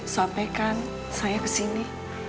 sampaikan saya kesini